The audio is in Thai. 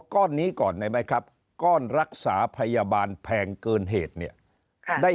ก้อนนี้ก่อนได้ไหมครับก้อนรักษาพยาบาลแพงเกินเหตุเนี่ยได้